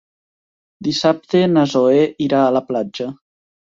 Dissabte na Zoè irà a la platja.